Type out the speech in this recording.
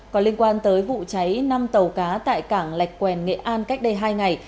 còn liên quan tới vụ cháy năm tàu cá tại cảng lạch quèn nghệ an cách đây hai ngày